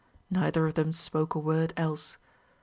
Neither of them spoke a word else.